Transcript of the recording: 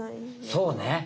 そうね。